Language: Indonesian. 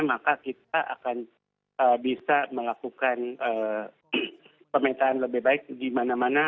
maka kita akan bisa melakukan pemetaan lebih baik di mana mana